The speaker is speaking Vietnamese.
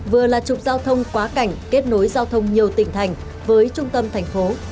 vừa là trục giao thông quá cảnh kết nối giao thông nhiều tỉnh thành với trung tâm thành phố